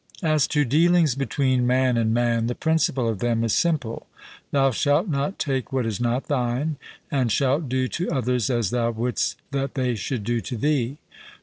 As to dealings between man and man, the principle of them is simple Thou shalt not take what is not thine; and shalt do to others as thou wouldst that they should do to thee.